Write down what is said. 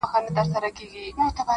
مکمل یې خپل تحصیل په ښه اخلاص کئ,